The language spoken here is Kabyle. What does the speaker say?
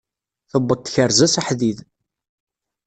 Tuweḍ tkerza s aḥdid!